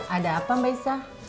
ada apa mbak isah